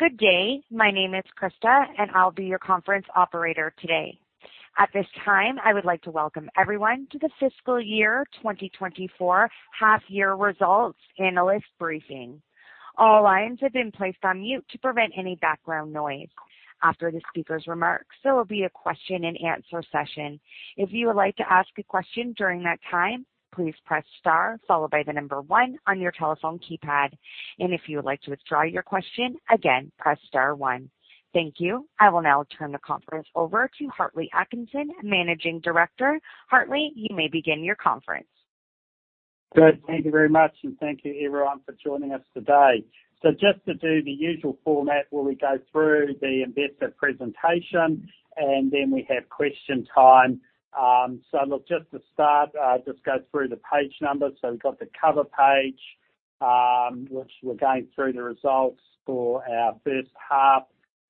Good day! My name is Krista, and I'll be your conference operator today. At this time, I would like to welcome everyone to the Fiscal Year 2024 Half Year Results Analyst briefing. All lines have been placed on mute to prevent any background noise. After the speaker's remarks, there will be a question-and-answer session. If you would like to ask a question during that time, please press star, followed by the number one on your telephone keypad. If you would like to withdraw your question, again, press star one. Thank you. I will now turn the conference over to Hartley Atkinson, Managing Director. Hartley, you may begin your conference. Good. Thank you very much, and thank you everyone for joining us today. So just to do the usual format, where we go through the investor presentation, and then we have question time. So look, just to start, just go through the page numbers. So we've got the cover page, which we're going through the results for our first half,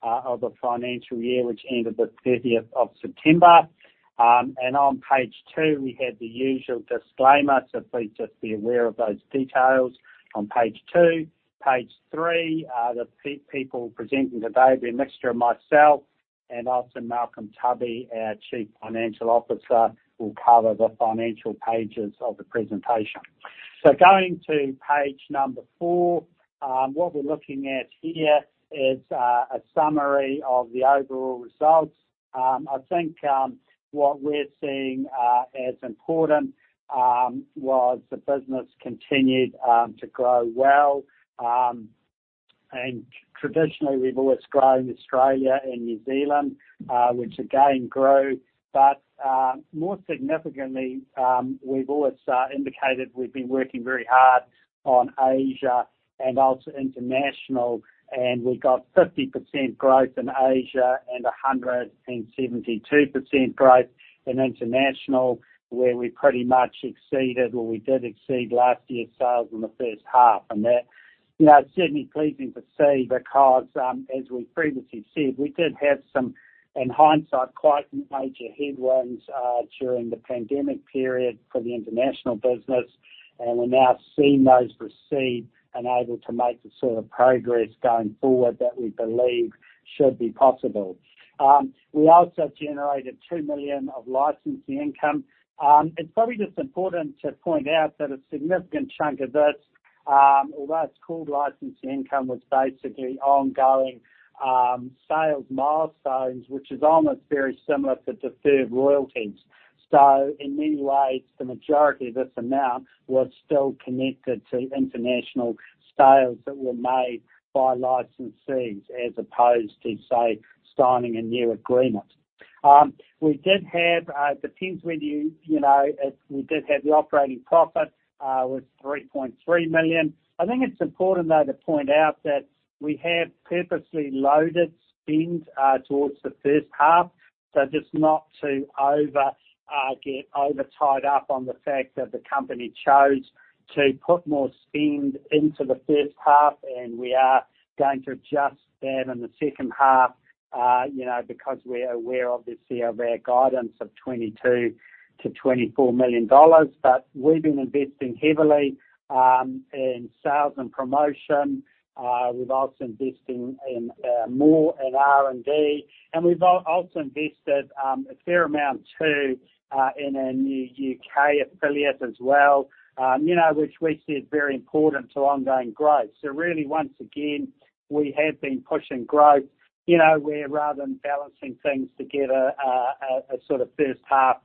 of the financial year, which ended the 30th of September. And on page two, we have the usual disclaimer, so please just be aware of those details on page two. Page three, the people presenting today, we're a mixture of myself and also Malcolm Tubby, our Chief Financial Officer, will cover the financial pages of the presentation. So going to page number four, what we're looking at here is, a summary of the overall results. I think, what we're seeing as important was the business continued to grow well. And traditionally, we've always grown Australia and New Zealand, which again, grew. But, more significantly, we've always indicated we've been working very hard on Asia and also international, and we got 50% growth in Asia and 172% growth in international, where we pretty much exceeded, or we did exceed last year's sales in the first half. And that, you know, it's certainly pleasing to see, because, as we previously said, we did have some, in hindsight, quite major headwinds, during the pandemic period for the international business, and we're now seeing those recede and able to make the sort of progress going forward that we believe should be possible. We also generated 2 million of licensing income. It's probably just important to point out that a significant chunk of this, although it's called licensing income, was basically ongoing sales milestones, which is almost very similar to deferred royalties. So in many ways, the majority of this amount was still connected to international sales that were made by licensees, as opposed to, say, signing a new agreement. We did have the operating profit with 3.3 million. I think it's important, though, to point out that we have purposely loaded spend towards the first half, so just not to get over-tied up on the fact that the company chose to put more spend into the first half, and we are going to adjust that in the second half, you know, because we're aware, obviously, of our guidance of 22 million-24 million dollars. But we've been investing heavily in sales and promotion. We've also investing in more in R&D, and we've also invested a fair amount, too, in our new U.K. affiliate as well, you know, which we see is very important to ongoing growth. So really, once again, we have been pushing growth. You know, we're rather than balancing things to get a sort of first half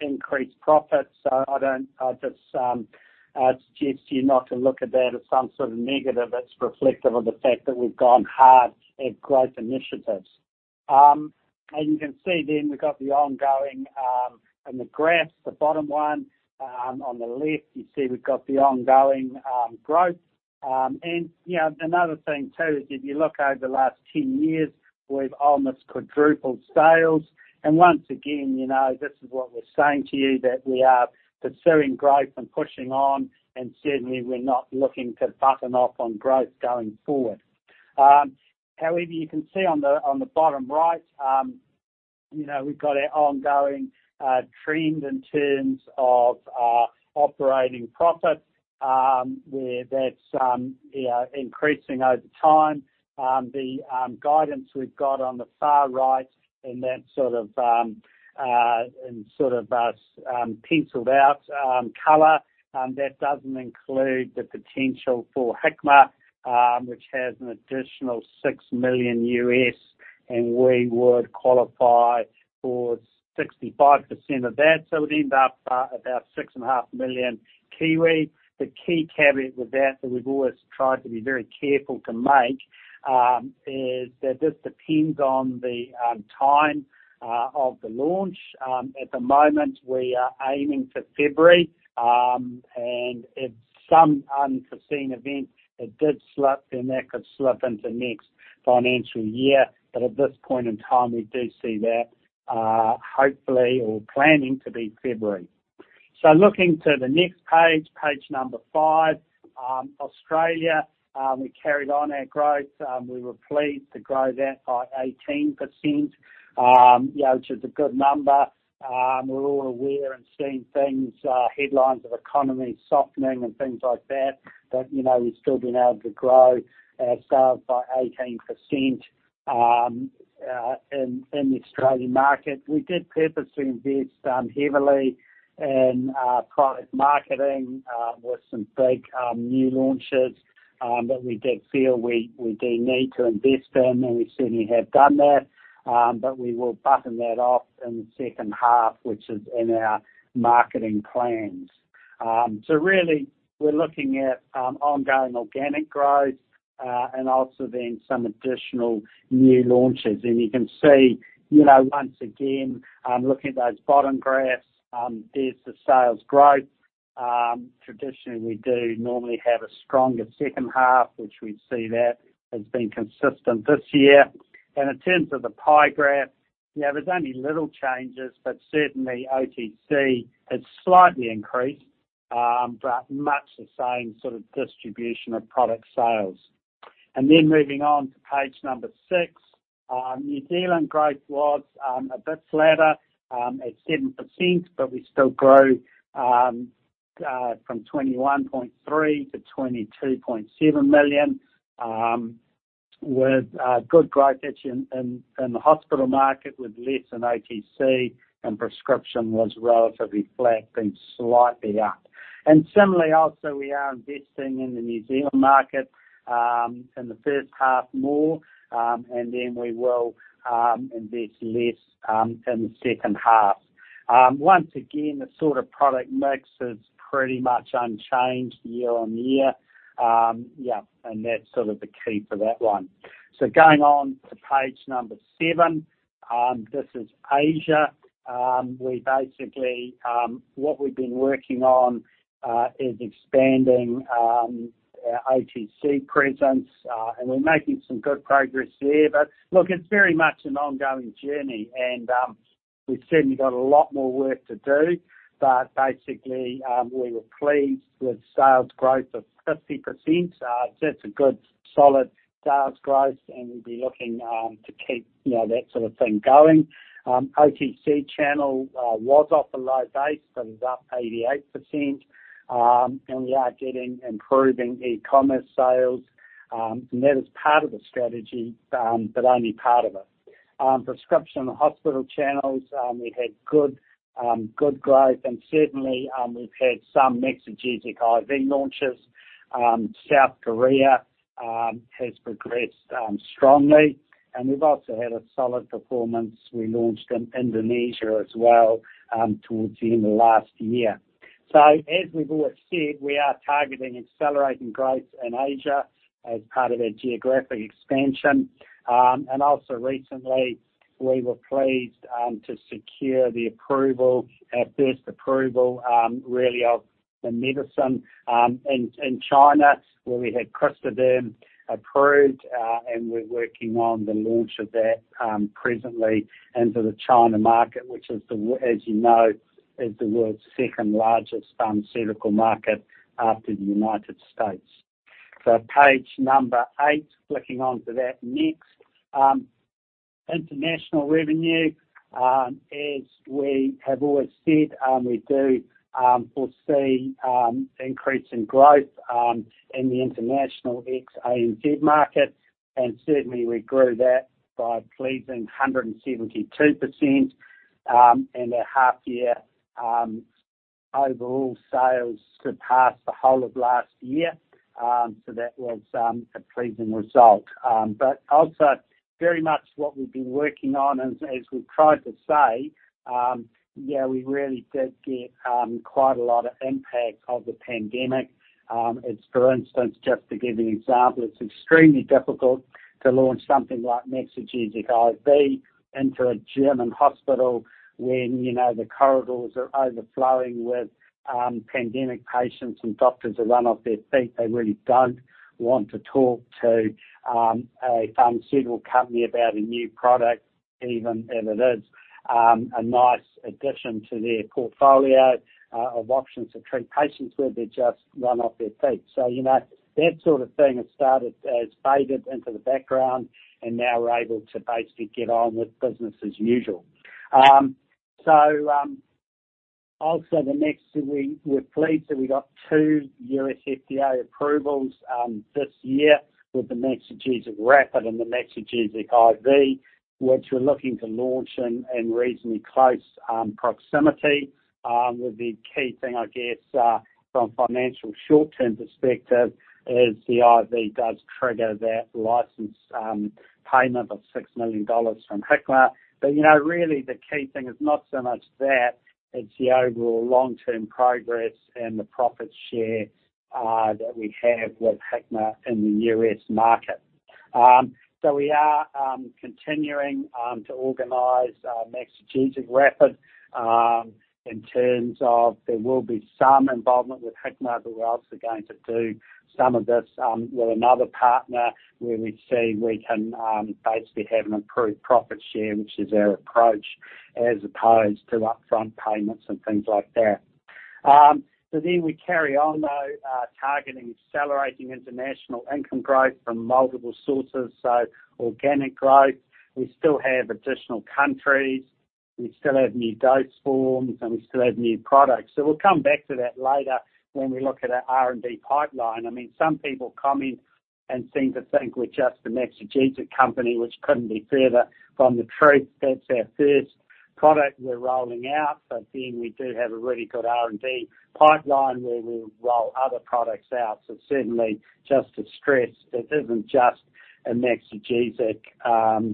increased profit. So I don't... I'll just suggest to you not to look at that as some sort of negative. It's reflective of the fact that we've gone hard at growth initiatives. And you can see then we've got the ongoing, and the graphs, the bottom one, on the left, you see we've got the ongoing, growth. And, you know, another thing, too, is if you look over the last 10 years, we've almost quadrupled sales. And once again, you know, this is what we're saying to you, that we are pursuing growth and pushing on, and certainly we're not looking to button off on growth going forward. However, you can see on the, on the bottom right, you know, we've got our ongoing, trend in terms of, operating profit, where that's, you know, increasing over time. The guidance we've got on the far right, and that sort of penciled out color, that doesn't include the potential for Hikma, which has an additional $6 million, and we would qualify for 65% of that. So it would end up about 6.5 million. The key caveat with that, that we've always tried to be very careful to make, is that this depends on the time of the launch. At the moment, we are aiming for February, and if some unforeseen event did slip, then that could slip into next financial year. But at this point in time, we do see that, hopefully or planning to be February. So looking to the next page, page number five, Australia, we carried on our growth. We were pleased to grow that by 18%, you know, which is a good number. We're all aware and seeing things, headlines of economy softening and things like that, but, you know, we've still been able to grow our sales by 18%, in, in the Australian market. We did purposely invest, heavily in, product marketing, with some big, new launches. But we did feel we, we do need to invest in, and we certainly have done that. But we will button that off in the second half, which is in our marketing plans. So really, we're looking at, ongoing organic growth, and also then some additional new launches. And you can see, you know, once again, looking at those bottom graphs, there's the sales growth. Traditionally, we do normally have a stronger second half, which we see that has been consistent this year. And in terms of the pie graph, yeah, there's only little changes, but certainly OTC has slightly increased, but much the same sort of distribution of product sales. And then moving on to page six, New Zealand growth was a bit flatter at 7%, but we still grew from 21.3 million to 22.7 million, with good growth actually in the hospital market, with less in OTC, and prescription was relatively flat and slightly up. Similarly, also, we are investing in the New Zealand market in the first half more, and then we will invest less in the second half. Once again, the sort of product mix is pretty much unchanged year-on-year. Yeah, and that's sort of the key for that one. So going on to page seven, this is Asia. We basically, what we've been working on, is expanding our OTC presence, and we're making some good progress there. But look, it's very much an ongoing journey, and we've certainly got a lot more work to do. But basically, we were pleased with sales growth of 50%. That's a good solid sales growth, and we'll be looking to keep, you know, that sort of thing going. OTC channel was off a low base, so it was up 88%. And we are getting improving e-commerce sales, and that is part of the strategy, but only part of it. Prescription hospital channels, we had good growth, and certainly, we've had some Maxigesic IV launches. South Korea has progressed strongly, and we've also had a solid performance. We launched in Indonesia as well, towards the end of last year. So as we've always said, we are targeting accelerating growth in Asia as part of our geographic expansion. And also recently, we were pleased to secure the approval, our first approval, really, of the medicine in China, where we had Crystaderm approved, and we're working on the launch of that presently into the China market, which, as you know, is the world's second-largest pharmaceutical market after the United States. So page number 8, clicking on to that next. International revenue, as we have always said, we do foresee increase in growth in the international Ex-ANZ market, and certainly we grew that by a pleasing 172% in a half year. Overall sales surpassed the whole of last year, so that was a pleasing result. But also, very much what we've been working on and as we've tried to say, yeah, we really did get quite a lot of impact of the pandemic. It's, for instance, just to give you an example, it's extremely difficult to launch something like Maxigesic IV into a German hospital when, you know, the corridors are overflowing with pandemic patients, and doctors are run off their feet. They really don't want to talk to a pharmaceutical company about a new product, even if it is a nice addition to their portfolio of options to treat patients with. They're just run off their feet. So, you know, that sort of thing has started, it's faded into the background, and now we're able to basically get on with business as usual. So, also the next, we're pleased that we got two U.S. FDA approvals this year with the Maxigesic Rapid and the Maxigesic IV, which we're looking to launch in reasonably close proximity. With the key thing, I guess, from financial short-term perspective is the IV does trigger that license payment of $6 million from Hikma. But, you know, really, the key thing is not so much that, it's the overall long-term progress and the profit share that we have with Hikma in the U.S. market. So we are continuing to organize Maxigesic Rapid, in terms of there will be some involvement with Hikma, but we're also going to do some of this with another partner, where we see we can basically have an improved profit share, which is our approach, as opposed to upfront payments and things like that. So then we carry on, though, targeting accelerating international income growth from multiple sources. So organic growth, we still have additional countries, we still have new dose forms, and we still have new products. So we'll come back to that later when we look at our R&D pipeline. I mean, some people come in and seem to think we're just a Maxigesic company, which couldn't be further from the truth. That's our first product we're rolling out, but then we do have a really good R&D pipeline where we'll roll other products out. So certainly, just to stress, it isn't just a Maxigesic,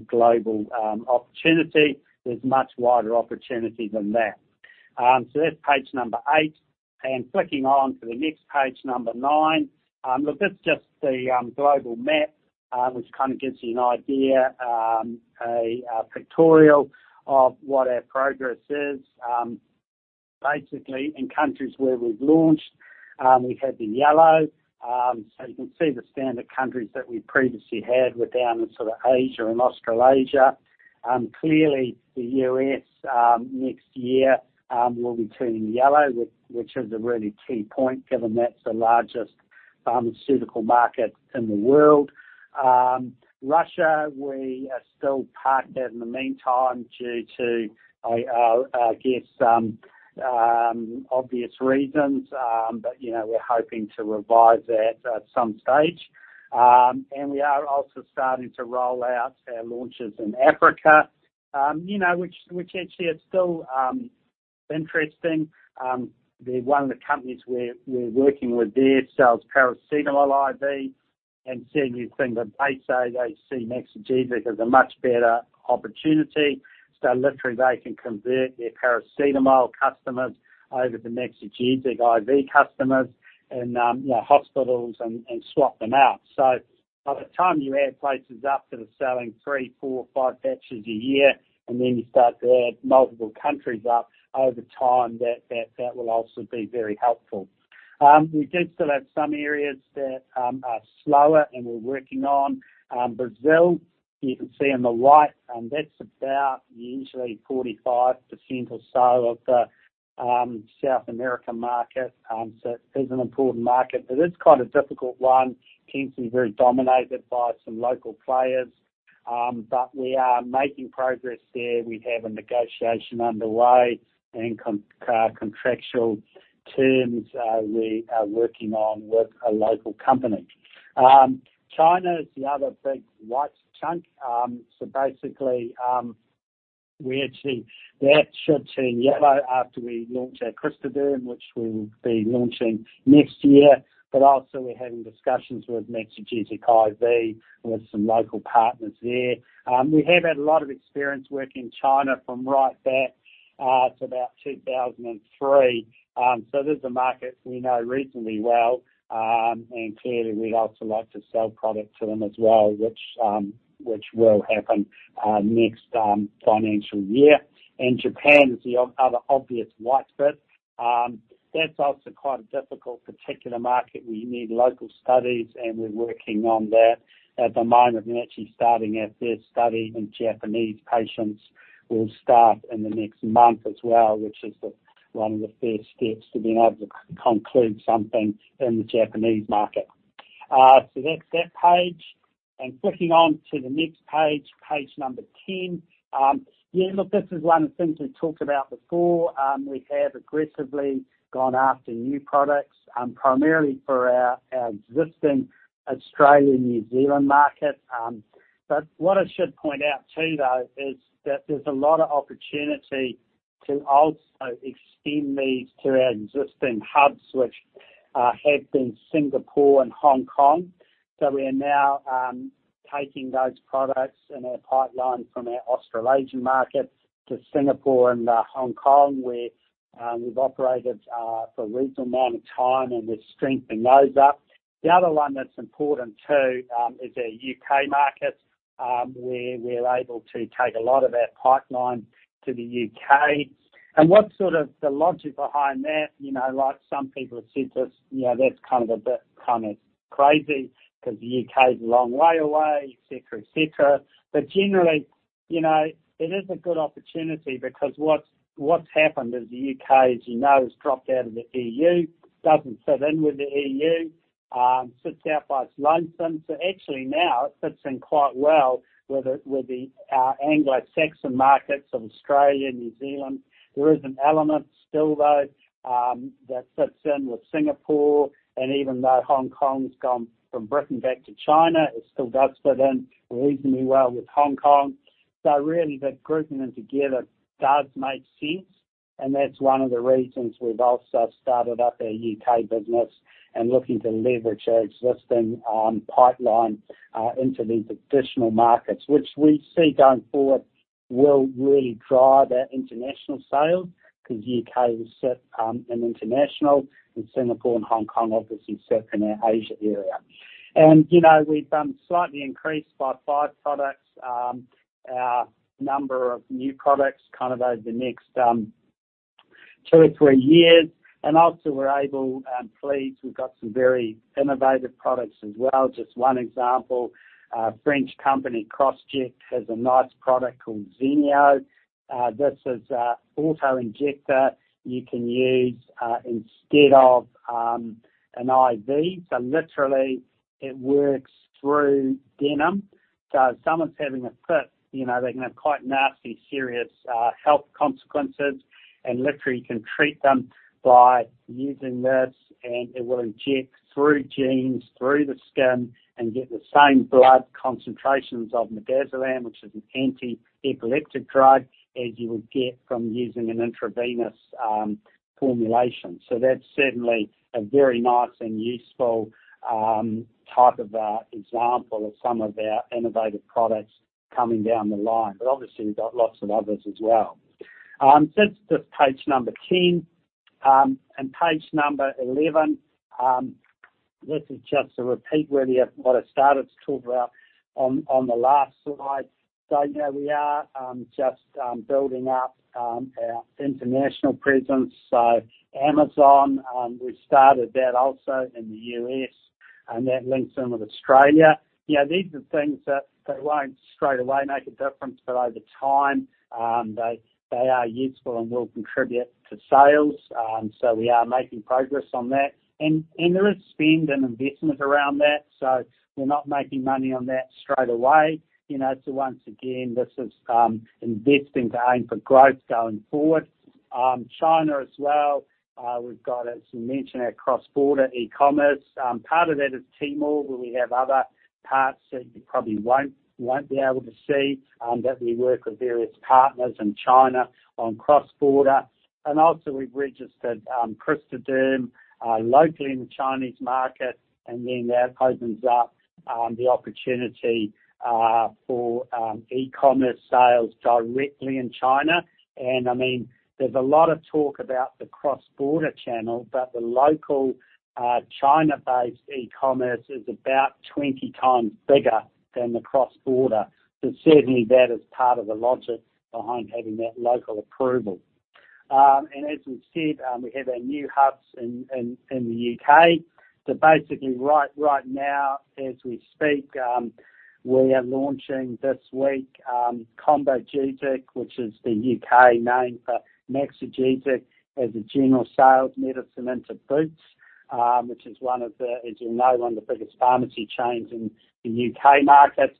global, opportunity. There's much wider opportunity than that. So that's page number eight, and flicking on to the next page, number nine. Look, that's just the, global map, which kind of gives you an idea, a pictorial of what our progress is. Basically, in countries where we've launched, we have the yellow. So you can see the standard countries that we previously had were down in sort of Asia and Australasia. Clearly, the U.S., next year, will be turning yellow, which is a really key point, given that's the largest pharmaceutical market in the world. Russia, we are still parked there in the meantime due to, I, I guess, some, obvious reasons. But, you know, we're hoping to revive that at some stage. And we are also starting to roll out our launches in Africa, you know, which, which actually is still, interesting. The one of the companies we're, we're working with there sells paracetamol IV, and certainly think that they say they see Maxigesic IV as a much better opportunity. So literally, they can convert their paracetamol customers over to Maxigesic IV customers in, you know, hospitals and, and swap them out. So by the time you add places up that are selling 3, 4, 5 batches a year, and then you start to add multiple countries up, over time, that, that, that will also be very helpful. We do still have some areas that are slower, and we're working on. Brazil, you can see in the white, and that's about usually 45% or so of the South America market. So it is an important market, but it's kind of a difficult one, tends to be very dominated by some local players. But we are making progress there. We have a negotiation underway and contractual terms we are working on with a local company. China is the other big white chunk. So basically, we actually that should turn yellow after we launch our Crystaderm, which we'll be launching next year. But also we're having discussions with Maxigesic IV with some local partners there. We have had a lot of experience working in China from right back to about 2003. So this is a market we know reasonably well, and clearly, we'd also like to sell product to them as well, which will happen next financial year. And Japan is the other obvious white bit. That's also quite a difficult particular market. We need local studies, and we're working on that. At the moment, we're actually starting our first study, and Japanese patients will start in the next month as well, which is one of the first steps to being able to conclude something in the Japanese market. So that's that page. And clicking on to the next page, page number 10. Yeah, look, this is one of the things we talked about before. We have aggressively gone after new products, primarily for our existing Australia, New Zealand market. But what I should point out, too, though, is that there's a lot of opportunity to also extend these to our existing hubs, which have been Singapore and Hong Kong. So we are now taking those products in our pipeline from our Australasian market to Singapore and Hong Kong, where we've operated for a reasonable amount of time, and we're strengthening those up. The other one that's important, too, is our U.K. market, where we're able to take a lot of our pipeline to the U.K.. And what's sort of the logic behind that, you know, like some people have said to us, you know, that's kind of a bit, kind of crazy because the U.K. is a long way away, et cetera, et cetera. But generally, you know, it is a good opportunity because what's happened is the U.K., as you know, has dropped out of the E.U., doesn't fit in with the E.U., sits out by its lonesome. So actually now, it fits in quite well with the Anglo-Saxon markets of Australia, New Zealand. There is an element still, though, that fits in with Singapore, and even though Hong Kong's gone from Britain back to China, it still does fit in reasonably well with Hong Kong. So really, the grouping them together does make sense, and that's one of the reasons we've also started up our U.K. business and looking to leverage our existing pipeline into these additional markets, which we see going forward, will really drive our international sales, because U.K. will sit in international, and Singapore and Hong Kong obviously sit in our Asia area. And you know, we've slightly increased by five products our number of new products, kind of over the next two or three years. And also we're able, pleased, we've got some very innovative products as well. Just one example, a French company, Crossject, has a nice product called ZENEO. This is a auto-injector you can use instead of an IV. So literally it works through denim. So if someone's having a fit, you know, they can have quite nasty, serious health consequences, and literally you can treat them by using this, and it will inject through jeans, through the skin, and get the same blood concentrations of Midazolam, which is an anti-epileptic drug, as you would get from using an intravenous formulation. So that's certainly a very nice and useful type of example of some of our innovative products coming down the line. But obviously, we've got lots of others as well. So this is page number 10. And page number 11, this is just a repeat really of what I started to talk about on the last slide. So, you know, we are just building up our international presence. So Amazon, we started that also in the U.S., and that links in with Australia. You know, these are things that they won't straightaway make a difference, but over time, they, they are useful and will contribute to sales. So we are making progress on that. And, and there is spend and investment around that, so we're not making money on that straight away. You know, so once again, this is investing to aim for growth going forward. China as well, we've got, as we mentioned, our cross-border e-commerce. Part of that is Tmall, where we have other parts that you probably won't, won't be able to see, but we work with various partners in China on cross-border. Also we've registered Crystaderm locally in the Chinese market, and then that opens up the opportunity for e-commerce sales directly in China. And I mean, there's a lot of talk about the cross-border channel, but the local China-based e-commerce is about 20 times bigger than the cross-border. So certainly that is part of the logic behind having that local approval. And as we've said, we have our new hubs in the U.K. So basically right now, as we speak, we are launching this week Combogesic, which is the U.K. name for Maxigesic, as a general sales medicine into Boots, which is one of the, as you know, one of the biggest pharmacy chains in the U.K. market.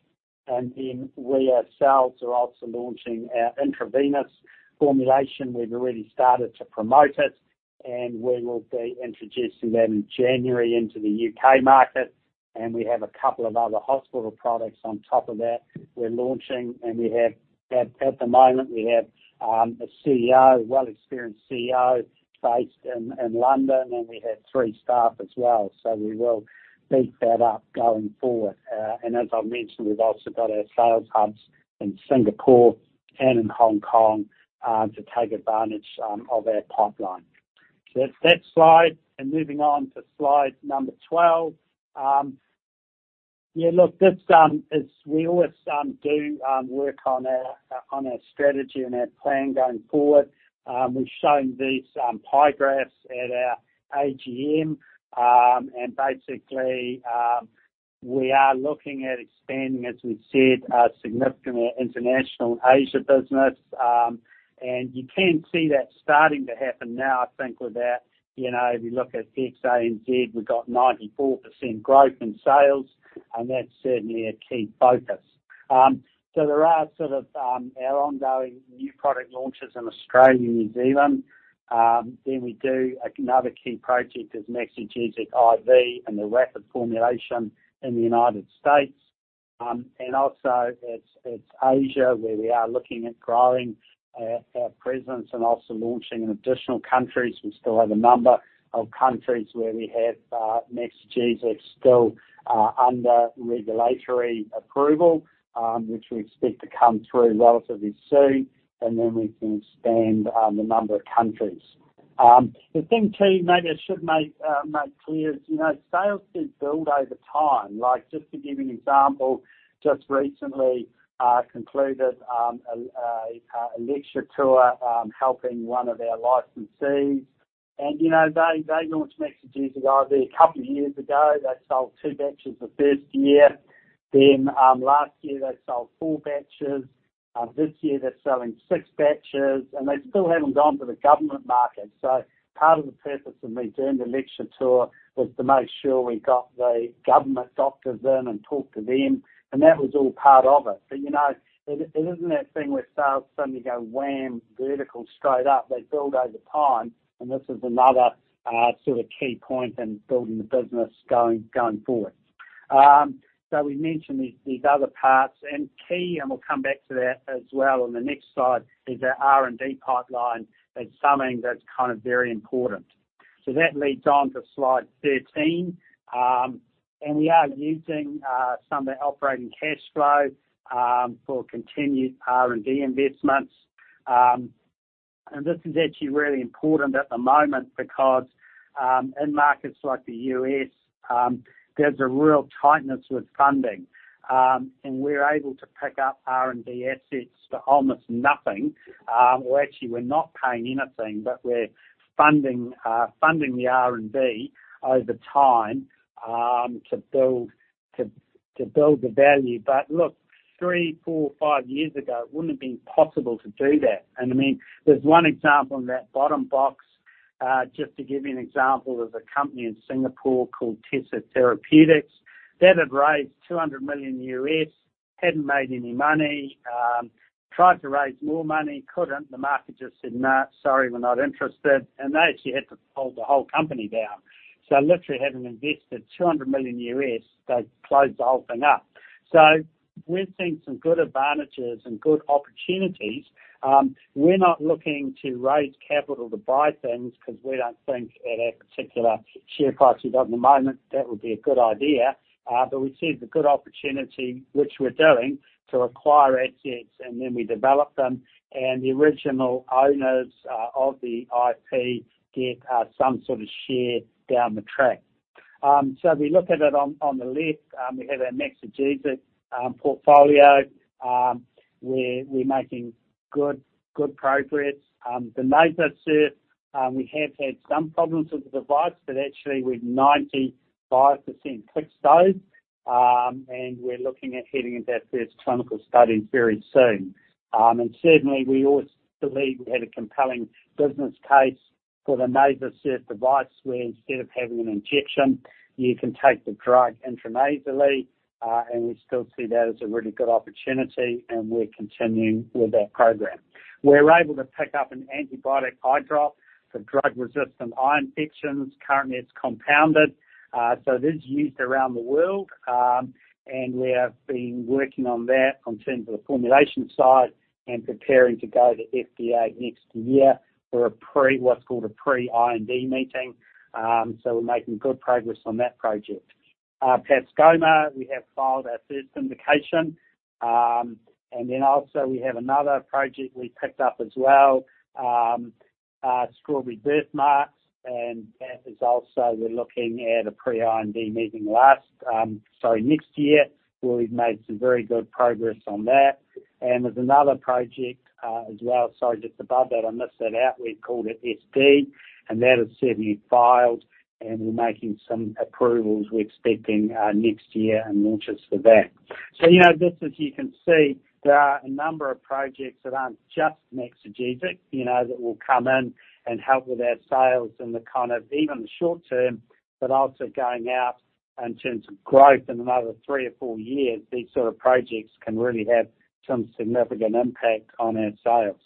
And then we ourselves are also launching our intravenous formulation. We've already started to promote it, and we will be introducing that in January into the U.K. market, and we have a couple of other hospital products on top of that. We're launching, and we have, at the moment, we have a well-experienced CEO based in London, and we have three staff as well. So we will beef that up going forward. And as I mentioned, we've also got our sales hubs in Singapore and in Hong Kong to take advantage of our pipeline. So that's slide, and moving on to slide number 12. Yeah, look, this is we always do work on our strategy and our plan going forward. We've shown these pie graphs at our AGM. And basically, we are looking at expanding, as we've said, significantly our international Asia business. And you can see that starting to happen now, I think, with our you know, if you look at the ANZ, we've got 94% growth in sales, and that's certainly a key focus. So there are sort of our ongoing new product launches in Australia and New Zealand. Then we do another key project is Maxigesic IV and the Rapid formulation in the United States. And also, it's Asia, where we are looking at growing our presence and also launching in additional countries. We still have a number of countries where we have Maxigesic still under regulatory approval, which we expect to come through relatively soon, and then we can expand the number of countries. The thing, too, maybe I should make clear is, you know, sales do build over time. Like, just to give you an example, just recently concluded a lecture tour helping one of our licensees. And, you know, they launched Maxigesic IV a couple of years ago. They sold two batches the first year. Then last year, they sold four batches. This year, they're selling six batches, and they still haven't gone to the government market. So part of the purpose of me doing the lecture tour was to make sure we got the government doctors in and talked to them, and that was all part of it. But, you know, it isn't that thing where sales suddenly go wham, vertical, straight up. They build over time, and this is another, sort of key point in building the business going, going forward. So we mentioned these, these other parts, and key, and we'll come back to that as well on the next slide, is our R&D pipeline. That's something that's kind of very important. So that leads on to slide 13. And we are using, some of the operating cash flow, for continued R&D investments. And this is actually really important at the moment because, in markets like the U.S., there's a real tightness with funding. And we're able to pick up R&D assets for almost nothing. Well, actually, we're not paying anything, but we're funding, funding the R&D over time, to build, to, to build the value. But look, three, four, five years ago, it wouldn't have been possible to do that. And I mean, there's one example in that bottom box. Just to give you an example of a company in Singapore called Tessa Therapeutics, that had raised $200 million, hadn't made any money, tried to raise more money, couldn't. The market just said, "No, sorry, we're not interested," and they actually had to pull the whole company down. So literally, having invested $200 million, they closed the whole thing up. So we've seen some good advantages and good opportunities. We're not looking to raise capital to buy things because we don't think at our particular share price at the moment, that would be a good idea. But we see the good opportunity, which we're doing, to acquire assets, and then we develop them, and the original owners of the IP get some sort of share down the track. So if you look at it on the left, we have our Maxigesic portfolio. We're making good progress. The NasoSURF, we have had some problems with the device, but actually, we've 95% fixed those, and we're looking at heading into our first clinical studies very soon. And certainly, we always believe we have a compelling business case for the NasoSURF device, where instead of having an injection, you can take the drug intranasally, and we still see that as a really good opportunity, and we're continuing with that program. We're able to pick up an antibiotic eye drop for drug-resistant eye infections. Currently, it's compounded, so it is used around the world. And we have been working on that in terms of the formulation side and preparing to go to FDA next year for a pre, what's called a pre-IND meeting. So we're making good progress on that project. Pascomer, we have filed our first indication. And then also we have another project we picked up as well, strawberry birthmarks, and that is also, we're looking at a pre-IND meeting last... Sorry, next year. We've made some very good progress on that. And there's another project, as well. Sorry, just above that, I missed that out. We've called it SD, and that is certainly filed, and we're making some approvals we're expecting, next year and launches for that. So, you know, just as you can see, there are a number of projects that aren't just Maxigesic, you know, that will come in and help with our sales in the kind of even the short term, but also going out in terms of growth in another three or four years, these sort of projects can really have some significant impact on our sales.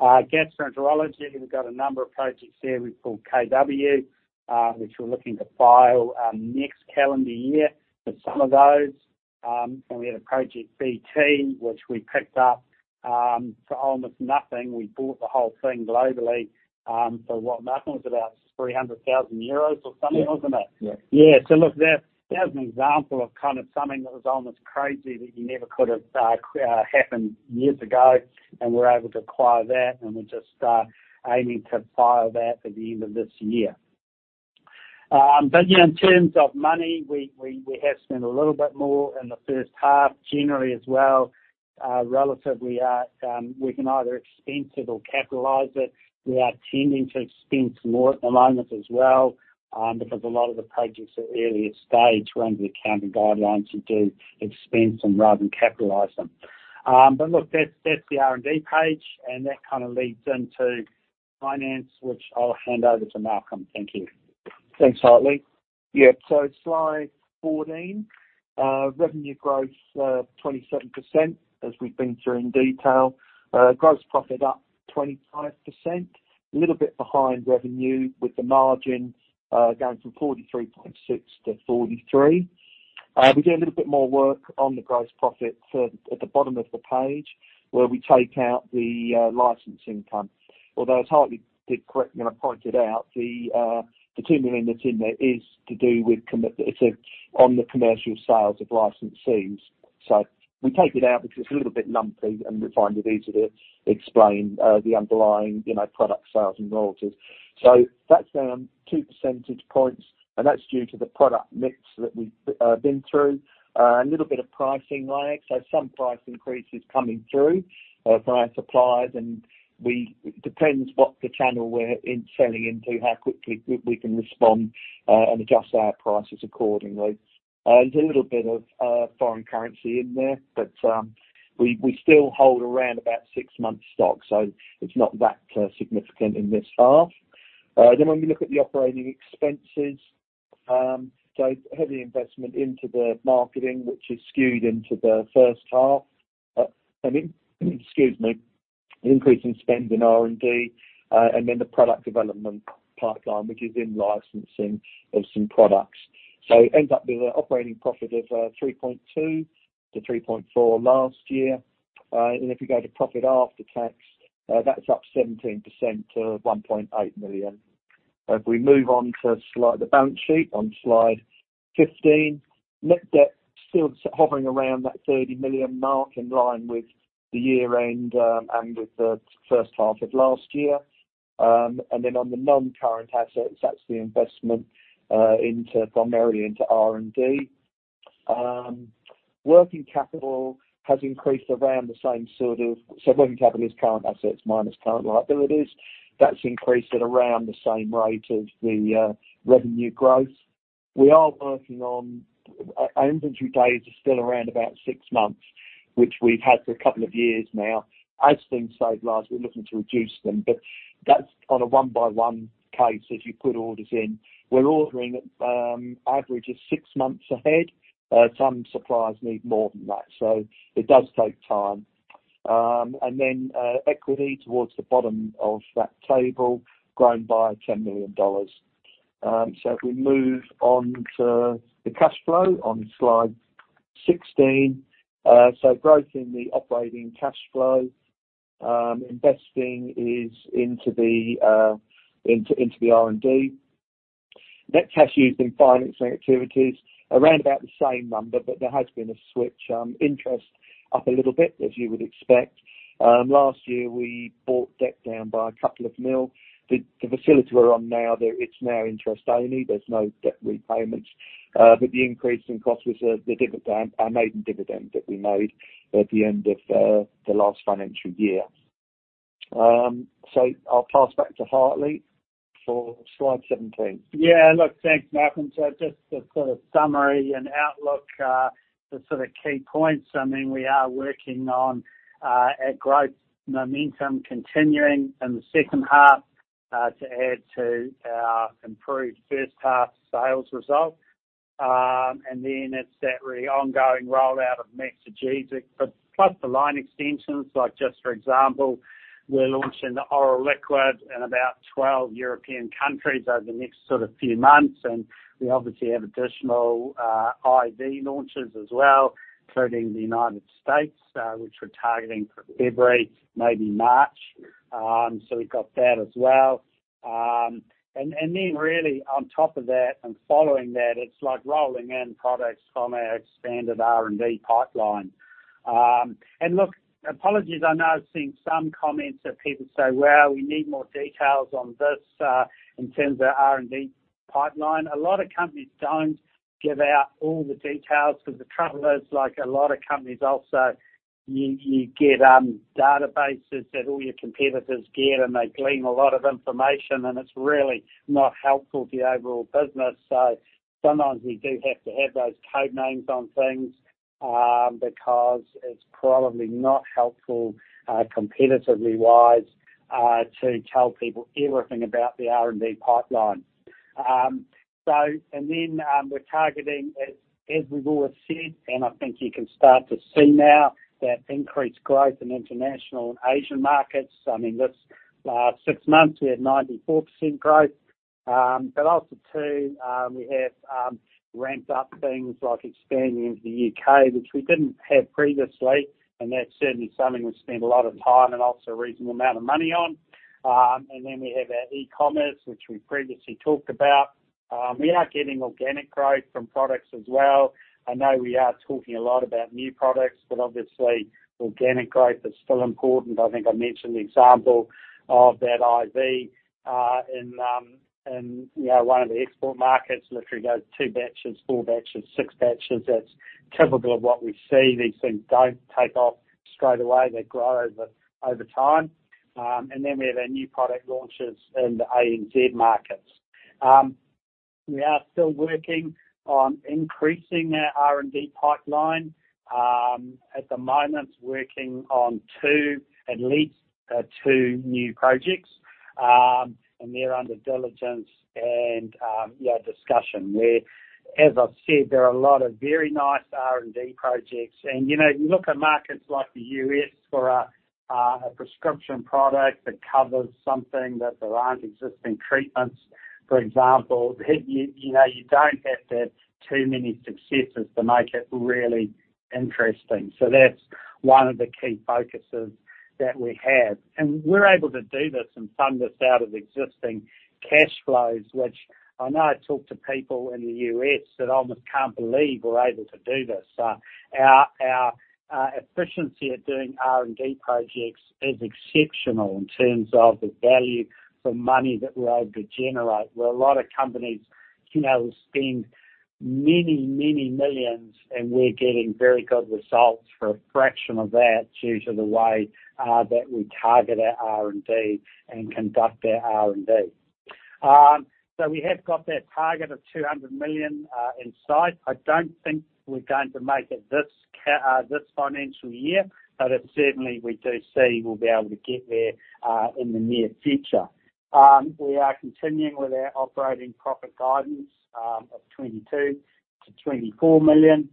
Gastroenterology, we've got a number of projects there we've called KW, which we're looking to file next calendar year for some of those. And we had a project, BT, which we picked up for almost nothing. We bought the whole thing globally for what, nothing. It was about 300,000 euros or something, wasn't it? Yeah. Yeah. So look, that's an example of kind of something that was almost crazy, that you never could have happened years ago, and we're able to acquire that, and we're just aiming to file that at the end of this year. But yeah, in terms of money, we have spent a little bit more in the first half. Generally as well, relatively, we can either expense it or capitalize it. We are tending to expense more at the moment as well, because a lot of the projects are earlier stage. We're under the accounting guidelines to do expense them rather than capitalize them. But look, that's the R&D page, and that kind of leads into finance, which I'll hand over to Malcolm. Thank you. Thanks, Hartley. Yeah, so slide 14, revenue growth 27%, as we've been through in detail. Gross profit up 25%, a little bit behind revenue, with the margin going from 43.6% to 43%. We do a little bit more work on the gross profit at the bottom of the page, where we take out the licensing income. Although, as Hartley did correctly, and I pointed out, the two million that's in there is to do with, it's on the commercial sales of licensees. So we take it out because it's a little bit lumpy, and we find it easier to explain the underlying, you know, product sales and royalties. So that's down two percentage points, and that's due to the product mix that we've been through. A little bit of pricing lag, so some price increases coming through via suppliers, and it depends what the channel we're in, selling into, how quickly we can respond and adjust our prices accordingly. There's a little bit of foreign currency in there, but we still hold around about six months stock, so it's not that significant in this half. Then when we look at the operating expenses, so heavy investment into the marketing, which is skewed into the first half, I mean, excuse me, increase in spend in R&D, and then the product development pipeline, which is in licensing of some products. So it ends up being an operating profit of 3.2-3.4 last year. And if you go to profit after tax, that's up 17% to 1.8 million. If we move on to slide, the balance sheet on slide 15, net debt still hovering around that 30 million mark, in line with the year-end and with the first half of last year. And then on the non-current assets, that's the investment primarily into R&D. Working capital has increased around the same sort of, so working capital is current assets minus current liabilities. That's increased at around the same rate as the revenue growth. We are working on, inventory days are still around about six months, which we've had for a couple of years now. As things stabilize, we're looking to reduce them, but that's on a case-by-case basis as you put orders in. We're ordering, on average, six months ahead. Some suppliers need more than that, so it does take time. And then, equity towards the bottom of that table, grown by 10 million dollars. So if we move on to the cash flow on slide 16. So growth in the operating cash flow, investing is into the R&D. Net cash used in financing activities, around about the same number, but there has been a switch. Interest up a little bit, as you would expect. Last year, we brought debt down by 2 million. The facility we're on now, it's now interest only. There's no debt repayments, but the increase in cost was the dividend, our maiden dividend that we made at the end of the last financial year. So I'll pass back to Hartley for slide 17. Yeah, look, thanks, Malcolm. So just a sort of summary and outlook, the sort of key points, I mean, we are working on our growth momentum continuing in the second half to add to our improved first half sales result. And then it's that really ongoing rollout of Maxigesic, but plus the line extensions, like, just for example, we're launching the oral liquid in about 12 European countries over the next sort of few months, and we obviously have additional IV launches as well, including the United States, which we're targeting for February, maybe March. So we've got that as well. And, and then really on top of that and following that, it's like rolling in products from our expanded R&D pipeline. And look, apologies, I know I've seen some comments that people say, "Well, we need more details on this in terms of R&D pipeline." A lot of companies don't give out all the details, because the trouble is, like a lot of companies also, you get databases that all your competitors get, and they glean a lot of information, and it's really not helpful to the overall business. So sometimes we do have to have those code names on things, because it's probably not helpful, competitively wise, to tell people everything about the R&D pipeline. So and then, we're targeting, as we've always said, and I think you can start to see now, that increased growth in international and Asian markets. I mean, this six months, we had 94% growth. But also, too, we have ramped up things like expanding into the U.K., which we didn't have previously, and that's certainly something we've spent a lot of time and also a reasonable amount of money on. And then we have our e-commerce, which we previously talked about. We are getting organic growth from products as well. I know we are talking a lot about new products, but obviously organic growth is still important. I think I mentioned the example of that IV in you know one of the export markets, literally goes two batches, four batches, six batches. That's typical of what we see. These things don't take off straight away. They grow over time. And then we have our new product launches in the ANZ markets. We are still working on increasing our R&D pipeline. At the moment, working on two, at least, two new projects, and they're under diligence and, yeah, discussion where, as I've said, there are a lot of very nice R&D projects. You know, you look at markets like the US for a, a prescription product that covers something that there aren't existing treatments, for example, you, you know, you don't have to have too many successes to make it really interesting. So that's one of the key focuses that we have. And we're able to do this and fund this out of existing cash flows, which I know I talk to people in the U.S. that almost can't believe we're able to do this. Our efficiency at doing R&D projects is exceptional in terms of the value for money that we're able to generate, where a lot of companies, you know, spend many, many millions, and we're getting very good results for a fraction of that due to the way that we target our R&D and conduct our R&D. So we have got that target of 200 million in sight. I don't think we're going to make it this financial year, but it's certainly we do see we'll be able to get there in the near future. We are continuing with our operating profit guidance of 22 million-24 million.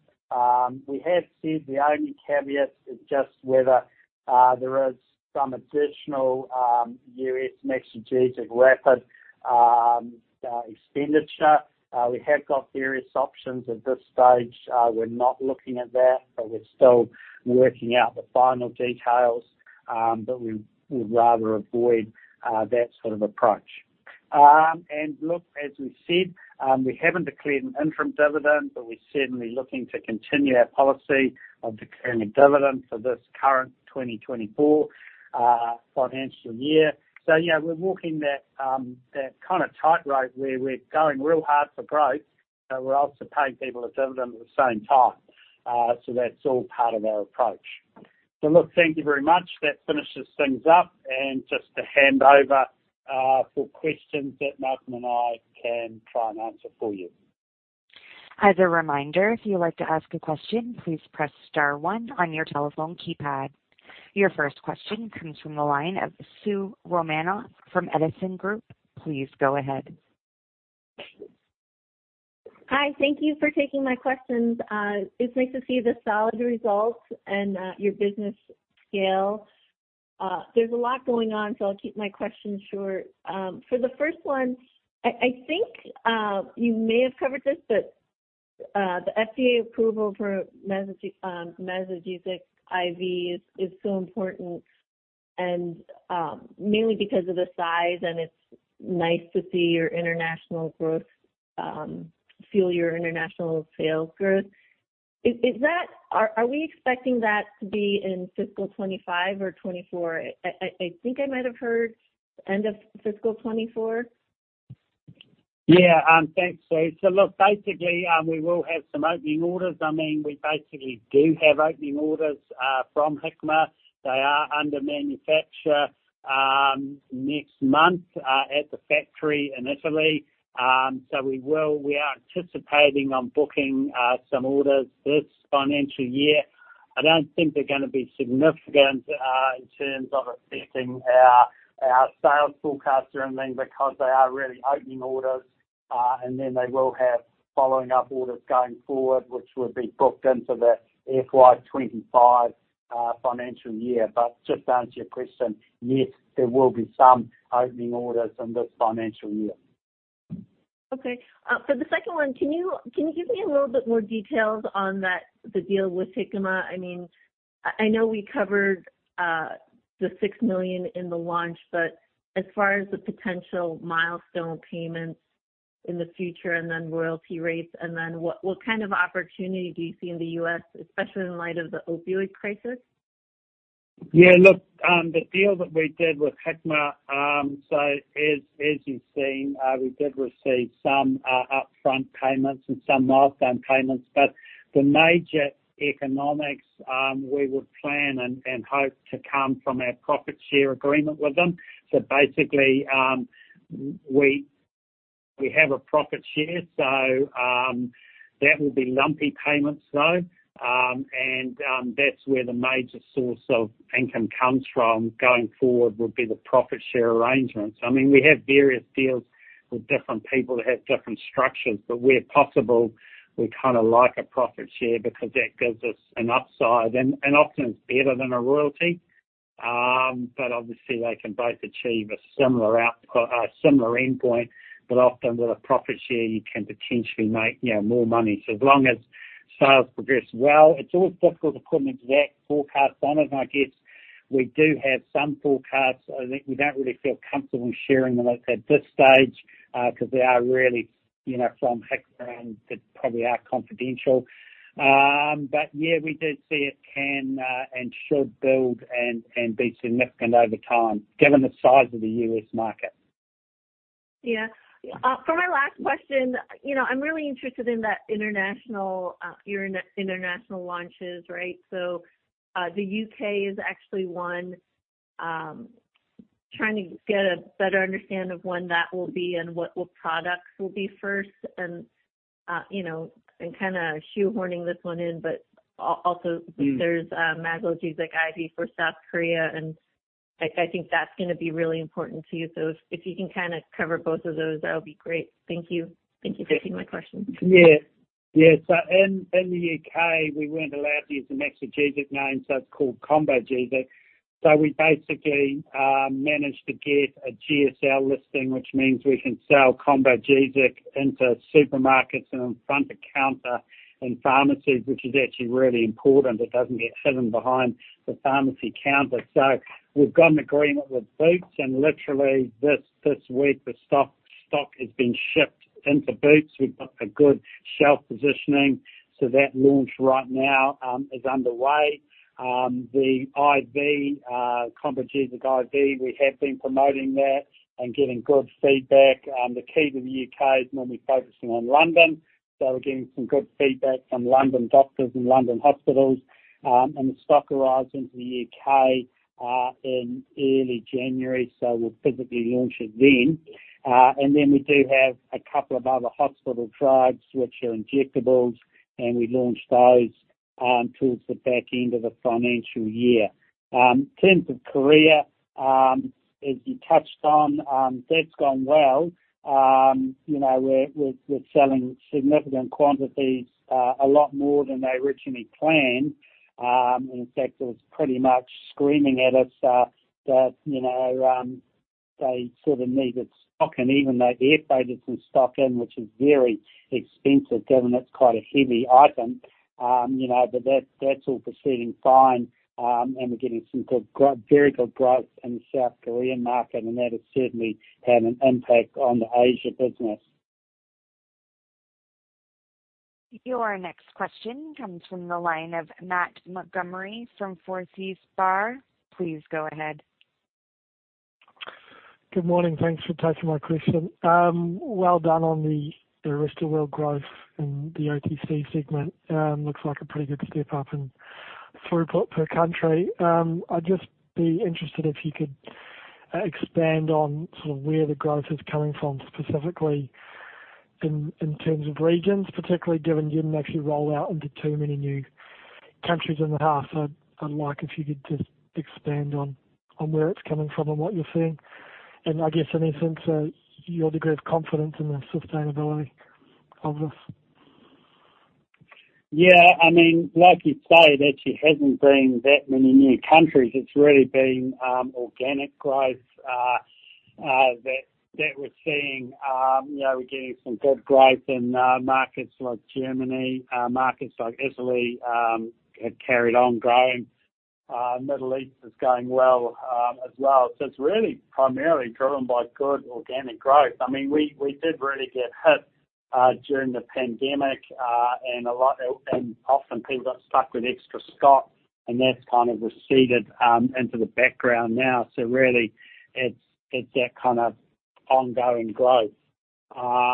We have said the only caveat is just whether there is some additional U.S. Maxigesic Rapid expenditure. We have got various options at this stage. We're not looking at that, but we're still working out the final details. But we would rather avoid that sort of approach. And look, as we said, we haven't declared an interim dividend, but we're certainly looking to continue our policy of declaring a dividend for this current 2024 financial year. So yeah, we're walking that kind of tightrope where we're going real hard for growth, but we're also paying people a dividend at the same time. So that's all part of our approach. So look, thank you very much. That finishes things up. And just to hand over for questions that Malcolm and I can try and answer for you. As a reminder, if you'd like to ask a question, please press star one on your telephone keypad. Your first question comes from the line of Soo Romanoff from Edison Group. Please go ahead. Hi, thank you for taking my questions. It's nice to see the solid results and your business scale. There's a lot going on, so I'll keep my questions short. For the first one, I think you may have covered this, but the FDA approval for Maxigesic IV is so important and mainly because of the size, and it's nice to see your international growth fuel your international sales growth. Is that— Are we expecting that to be in fiscal 2025 or 2024? I think I might have heard end of fiscal 2024. Yeah, thanks, Sue. So look, basically, we will have some opening orders. I mean, we basically do have opening orders from Hikma. They are under manufacture next month at the factory in Italy. So we are anticipating on booking some orders this financial year. I don't think they're gonna be significant in terms of affecting our sales forecast or anything, because they are really opening orders and then they will have following up orders going forward, which would be booked into the FY 2025 financial year. But just to answer your question, yes, there will be some opening orders in this financial year. Okay. For the second one, can you give me a little bit more details on that, the deal with Hikma? I mean, I know we covered the $6 million in the launch, but as far as the potential milestone payments in the future and then royalty rates, and then what kind of opportunity do you see in the U.S., especially in light of the opioid crisis? Yeah, look, the deal that we did with Hikma, so as you've seen, we did receive some upfront payments and some milestone payments, but the major economics, we would plan and hope to come from our profit share agreement with them. So basically, we have a profit share, so that will be lumpy payments, though. And that's where the major source of income comes from going forward, would be the profit share arrangements. I mean, we have various deals with different people that have different structures, but where possible, we kind of like a profit share because that gives us an upside and often it's better than a royalty. But obviously they can both achieve a similar out, a similar endpoint. But often with a profit share, you can potentially make, you know, more money. So as long as sales progress well, it's always difficult to put an exact forecast on it. I guess we do have some forecasts. I think we don't really feel comfortable sharing them, let's say, at this stage, 'cause they are really, you know, from Hikma and they probably are confidential. But yeah, we do see it can and should build and be significant over time, given the size of the U.S. market. Yeah. For my last question, you know, I'm really interested in that international, your international launches, right? So, the U.K. is actually one, trying to get a better understanding of when that will be and what products will be first. And, you know, and kind of shoehorning this one in, but also- There's Maxigesic IV for South Korea, and I think that's gonna be really important to you. So if you can kind of cover both of those, that would be great. Thank you. Thank you for taking my questions. Yeah. Yeah, so in the U.K., we weren't allowed to use the Maxigesic name, so it's called Combogesic. So we basically managed to get a GSL listing, which means we can sell Combogesic into supermarkets and on front of counter in pharmacies, which is actually really important. It doesn't get hidden behind the pharmacy counter. So we've got an agreement with Boots, and literally this week, the stock has been shipped into Boots. We've got a good shelf positioning, so that launch right now is underway. The IV, Combogesic IV, we have been promoting that and getting good feedback. The key to the U.K. is normally focusing on London, so we're getting some good feedback from London doctors and London hospitals. And the stock arrives into the U.K. in early January, so we'll physically launch it then. And then we do have a couple of other hospital drugs, which are injectables, and we launch those, towards the back end of the financial year. In terms of Korea, as you touched on, that's gone well. You know, we're, we're, we're selling significant quantities, a lot more than they originally planned. And in fact, it was pretty much screaming at us, that, you know, they sort of needed stock, and even though they airfreighted some stock in, which is very expensive, given it's quite a heavy item, you know, but that, that's all proceeding fine. And we're getting very good growth in the South Korean market, and that has certainly had an impact on the Asia business. Your next question comes from the line of Matt Montgomerie from Forsyth Barr. Please go ahead. Good morning. Thanks for taking my question. Well done on the rest of world growth in the OTC segment. Looks like a pretty good step up in throughput per country. I'd just be interested if you could expand on sort of where the growth is coming from, specifically in terms of regions, particularly given you didn't actually roll out into too many new countries in the half. So I'd like if you could just expand on where it's coming from and what you're seeing. And I guess, in essence, your degree of confidence in the sustainability of this. Yeah, I mean, like you say, there actually hasn't been that many new countries. It's really been organic growth that we're seeing. You know, we're getting some good growth in markets like Germany. Markets like Italy have carried on growing. Middle East is going well, as well. So it's really primarily driven by good organic growth. I mean, we did really get hit during the pandemic, and a lot-- and often people got stuck with extra stock, and that's kind of receded into the background now. So really, it's that kind of ongoing growth,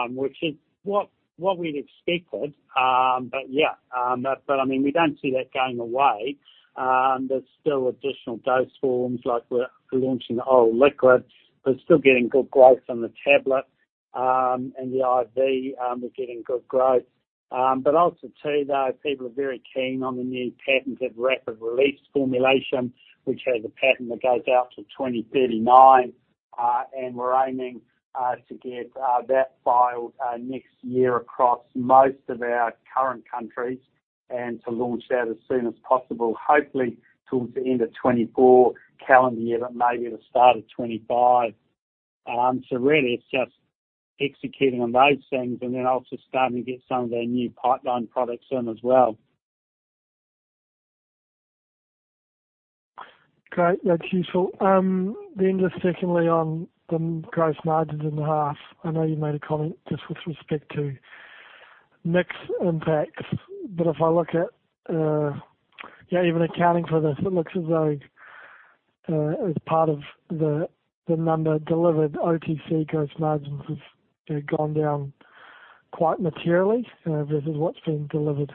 which is what we'd expected. But yeah, but I mean, we don't see that going away. There's still additional dose forms, like we're launching the oral liquid. We're still getting good growth on the tablet, and the IV, we're getting good growth. But also too, though, people are very keen on the new patented Rapid-release formulation, which has a patent that goes out to 2039. And we're aiming to get that filed next year across most of our current countries and to launch that as soon as possible. Hopefully towards the end of 2024 calendar year, but maybe at the start of 2025. So really, it's just executing on those things and then also starting to get some of our new pipeline products in as well. Great, that's useful. Then just secondly, on the gross margins in the half. I know you made a comment just with respect to mix impacts, but if I look at, yeah, even accounting for this, it looks as though, as part of the, the number delivered, OTC gross margins have gone down quite materially, versus what's been delivered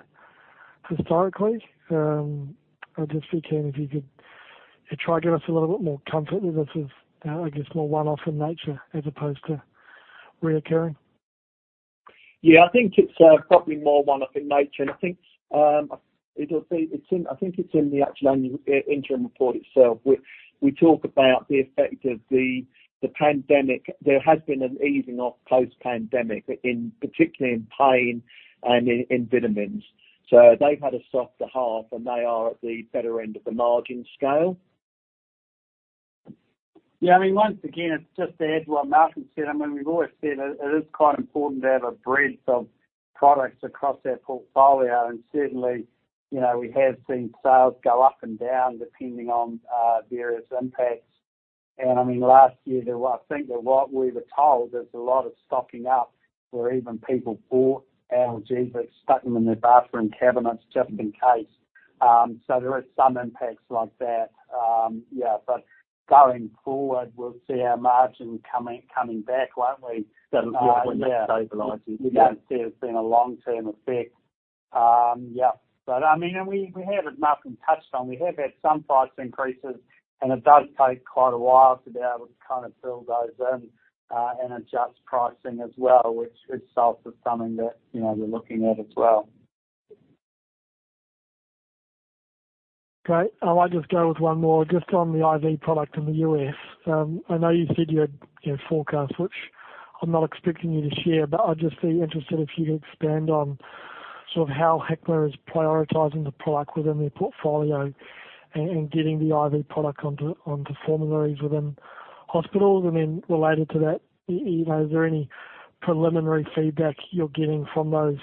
historically. I'd just be keen if you could try to give us a little bit more comfort that this is, I guess, more one-off in nature as opposed to recurring. Yeah, I think it's probably more one-off in nature, and I think it'll be. I think it's in the actual annual interim report itself. We talk about the effect of the pandemic. There has been an easing off post-pandemic, particularly in pain and in vitamins. So they've had a softer half, and they are at the better end of the margin scale. Yeah, I mean, once again, it's just to add to what Malcom said. I mean, we've always said it, it is quite important to have a breadth of products across our portfolio, and certainly, you know, we have seen sales go up and down, depending on various impacts. And I mean, last year, there were, I think that what we were told, there's a lot of stocking up, where even people bought analgesics, but stuck them in their bathroom cabinets just in case. So there are some impacts like that. Yeah, but going forward, we'll see our margin coming, coming back, won't we? That will, yeah, stabilize. You don't see, it's been a long-term effect. Yeah. But I mean, we, we haven't. Malcom touched on, we have had some price increases, and it does take quite a while to be able to kind of fill those in, and adjust pricing as well, which itself is something that, you know, we're looking at as well. Great. I might just go with one more just on the IV product in the U.S. I know you said you had, you know, forecasts, which I'm not expecting you to share, but I'd just be interested if you could expand on sort of how Hikma is prioritizing the product within their portfolio and getting the IV product onto formularies within hospitals. And then related to that, you know, is there any preliminary feedback you're getting from those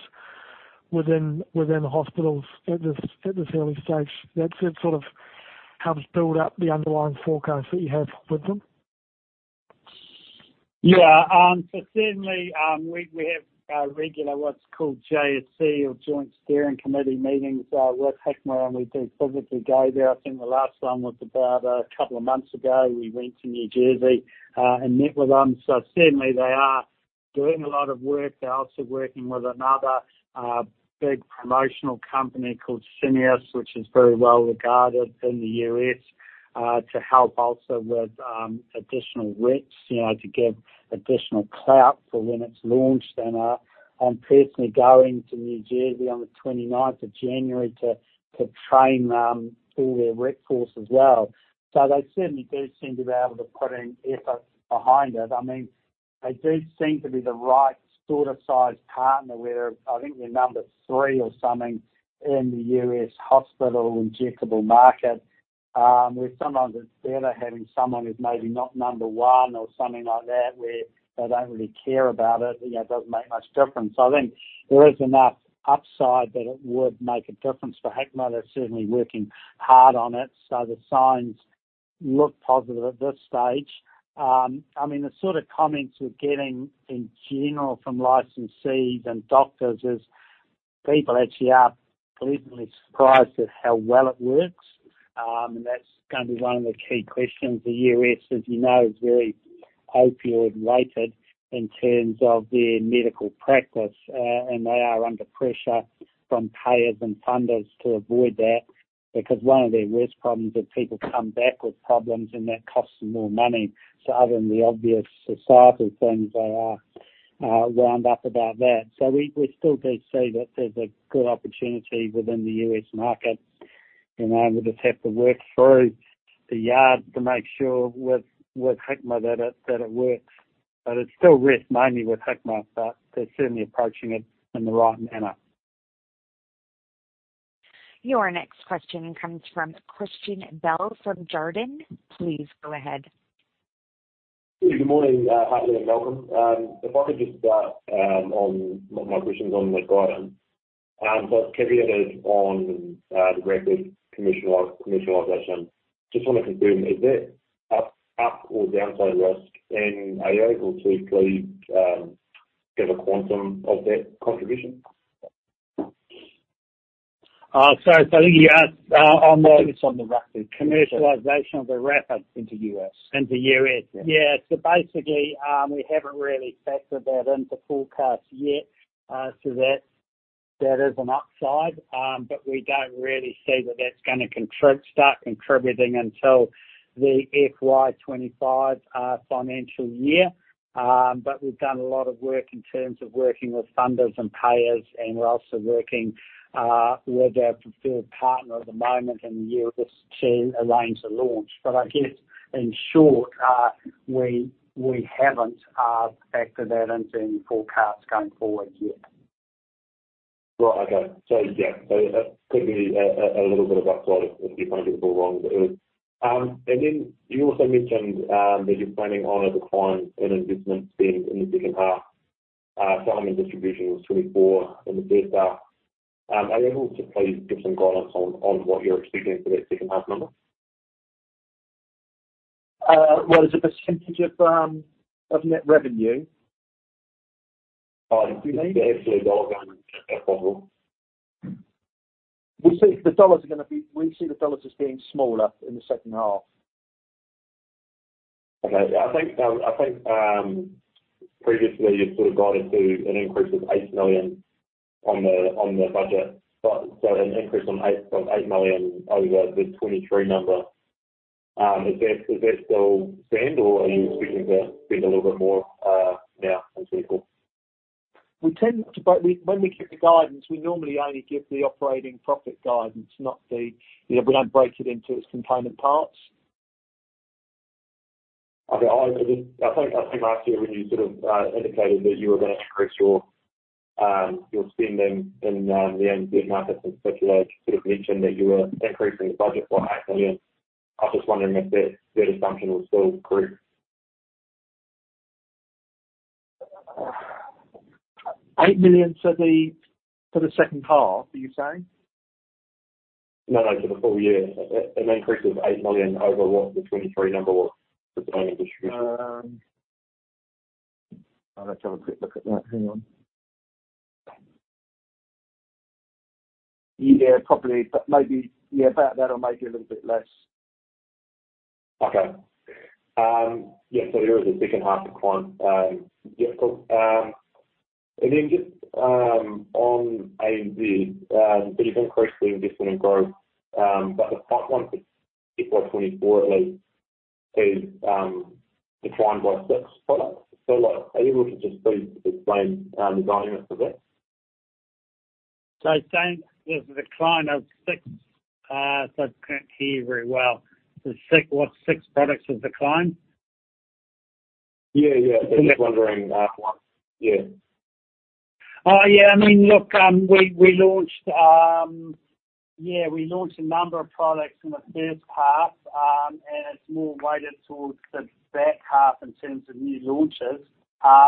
within the hospitals at this early stage? That sort of helps build up the underlying forecast that you have with them. Yeah, so certainly, we have regular, what's called JSC or Joint Steering Committee meetings with Hikma, and we do physically go there. I think the last one was about a couple of months ago. We went to New Jersey and met with them. So certainly they are doing a lot of work. They're also working with another big promotional company called Syneos, which is very well-regarded in the US to help also with additional reps, you know, to give additional clout for when it's launched. And I'm personally going to New Jersey on the twenty-ninth of January to train all their rep force as well. So they certainly do seem to be able to put an effort behind it. I mean-... They do seem to be the right sort of size partner, where I think we're number three or something in the U.S. hospital injectable market. Where sometimes it's better having someone who's maybe not number one or something like that, where they don't really care about it, you know, it doesn't make much difference. So I think there is enough upside that it would make a difference for Hikma. They're certainly working hard on it, so the signs look positive at this stage. I mean, the sort of comments we're getting in general from licensees and doctors is, people actually are pleasantly surprised at how well it works. And that's going to be one of the key questions. The U.S., as you know, is very opioid-weighted in terms of their medical practice, and they are under pressure from payers and funders to avoid that, because one of their worst problems is people come back with problems, and that costs them more money. So other than the obvious societal things, they are wound up about that. So we still do see that there's a good opportunity within the U.S. market. You know, we'll just have to work through the year to make sure with Hikma that it works. But it's still risk, mainly with Hikma, but they're certainly approaching it in the right manner. Your next question comes from Christian Bell, from Jarden. Please go ahead. Good morning, Hartley and welcome. If I could just start on my questions on the guidance. So caveat is on the Rapid commercial- commercialization. Just want to confirm, is there up, up or downside risk in AO, or to please give a quantum of that contribution? So you asked on the... I think it's on the Rapid.... commercialization of the Rapid into U.S. Into US. Yeah. So basically, we haven't really factored that into forecasts yet. So that, that is an upside, but we don't really see that that's going to start contributing until the FY 25, financial year. But we've done a lot of work in terms of working with funders and payers, and we're also working, with our preferred partner at the moment in the year just to arrange the launch. But I guess, in short, we, we haven't, factored that into any forecasts going forward yet. Right. Okay. So, yeah, so that could be a little bit of upside, if I get it all wrong. And then you also mentioned that you're planning on a decline in investment spend in the second half. So distribution was 24 in the first half. Are you able to please give some guidance on what you're expecting for that second half number? What as a percentage of, of net revenue? Absolutely, dollar amount. We see the dollars as being smaller in the second half. Okay. I think previously you sort of guided to an increase of 8 million on the budget. So an increase from 8 million over the 2023 number. Is that still stand, or are you expecting to spend a little bit more now in fiscal? We tend to, but when we give the guidance, we normally only give the operating profit guidance, not the, you know, we don't break it into its component parts. Okay. I think last year when you sort of indicated that you were going to increase your spending in the end markets, and particularly sort of mentioned that you were increasing the budget by 8 million, I was just wondering if that assumption was still correct. 8 million for the second half, are you saying? No, no, for the full year. An increase of 8 million over what the 2023 number was for payment distribution. Let's have a quick look at that. Hang on. Yeah, probably, but maybe, yeah, about that or maybe a little bit less. Okay. Yeah, so there is a second half decline. Yeah, cool. And then just, on ANZ, so you've increased the investment in growth, but the part one for FY 2024 at least is, declined by six products. So like, are you able to just please explain, the dynamics of that? So saying there's a decline of six, so I can't hear you very well. So six, what, six products have declined? Yeah, yeah. Just wondering, one. Yeah. Yeah, I mean, look, we launched a number of products in the first half, and it's more weighted towards the back half in terms of new launches.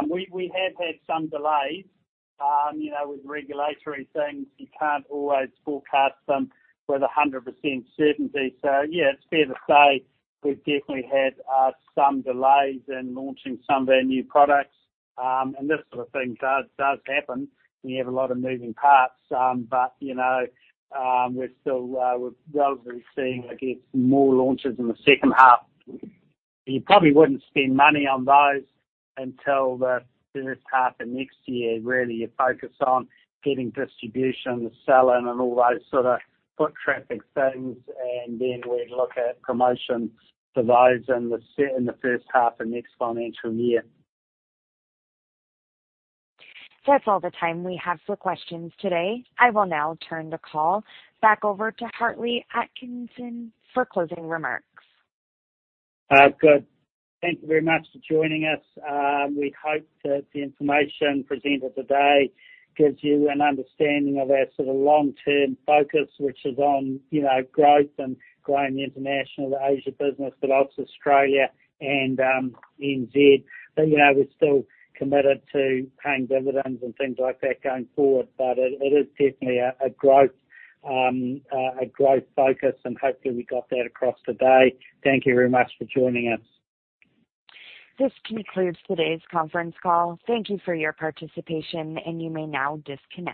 We have had some delays, you know, with regulatory things, you can't always forecast them with 100% certainty. So yeah, it's fair to say we've definitely had some delays in launching some of our new products. And this sort of thing does happen. We have a lot of moving parts, but, you know, we're still relatively seeing, I guess, more launches in the second half. You probably wouldn't spend money on those until the first half of next year, really. You're focused on getting distribution, the selling and all those sort of foot traffic things, and then we'd look at promotions for those in the first half of next financial year. That's all the time we have for questions today. I will now turn the call back over to Hartley Atkinson for closing remarks. Good. Thank you very much for joining us. We hope that the information presented today gives you an understanding of our sort of long-term focus, which is on, you know, growth and growing the international, the Asia business, but also Australia and NZ. But you know, we're still committed to paying dividends and things like that going forward, but it, it is definitely a, a growth focus, and hopefully, we got that across today. Thank you very much for joining us. This concludes today's conference call. Thank you for your participation, and you may now disconnect.